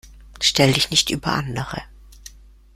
Stell dich nicht über andere.